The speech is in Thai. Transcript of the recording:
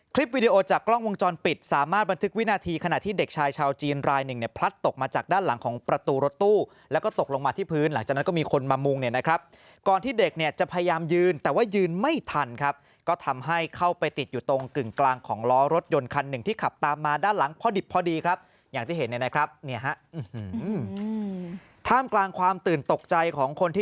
คลิปวิดีโอจากกล้องวงจรปิดสามารถบันทึกวินาทีขณะที่เด็กชายชาวจีนราย๑เนี่ยพลัดตกมาจากด้านหลังของประตูรถตู้แล้วก็ตกลงมาที่พื้นหลังจากนั้นก็มีคนมามุงเนี่ยนะครับก่อนที่เด็กเนี่ยจะพยายามยืนแต่ว่ายืนไม่ทันครับก็ทำให้เข้าไปติดอยู่ตรงกึ่งกลางของล้อรถยนต์คัน๑ที่ขับตามมาด้านหลัง